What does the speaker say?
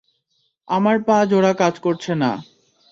আমার পা জোড়া কাজ করছে না।